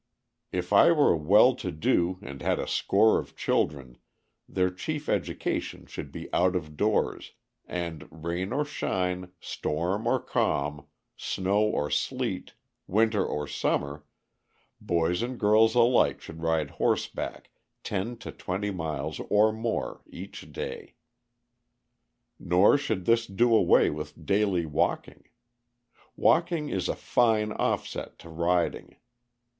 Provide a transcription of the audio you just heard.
If I were well to do and had a score of children their chief education should be out of doors, and rain or shine, storm or calm, snow or sleet, winter or summer, boys and girls alike should ride horseback ten to twenty miles or more each day. [Illustration: A ZUNI INDIAN WITH A JAR OF WATER UPON HER HEAD.] Nor should this do away with daily walking. Walking is a fine offset to riding.